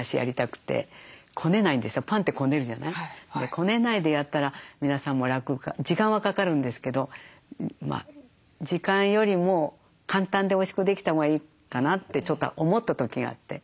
こねないでやったら皆さんも楽か時間はかかるんですけど時間よりも簡単でおいしくできたほうがいいかなってちょっと思った時があって。